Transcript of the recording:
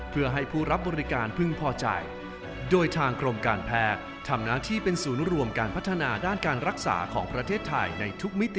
เพื่อให้ผู้รับบริการพึ่งพอใจโดยทางกรมการแพทย์ทำหน้าที่เป็นศูนย์รวมการพัฒนาด้านการรักษาของประเทศไทยในทุกมิติ